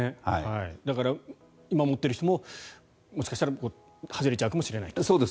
だから、今持っている人ももしかしたら外れちゃうかもしれないと。